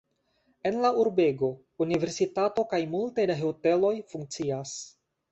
En la urbego universitato kaj multe da hoteloj funkcias.